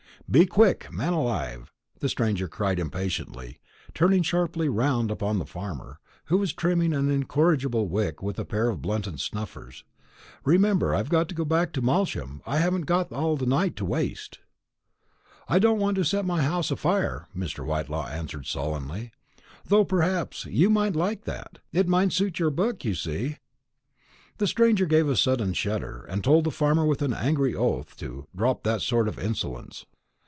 "Be quick, man alive," the stranger cried impatiently, turning sharply round upon the farmer, who was trimming an incorrigible wick with a pair of blunted snuffers. "Remember, I've got to go back to Malsham; I haven't all the night to waste." "I don't want to set my house afire," Mr. Whitelaw answered sullenly; "though, perhaps, you might like that. It might suit your book, you see." The stranger gave a sudden shudder, and told the farmer with an angry oath to "drop that sort of insolence."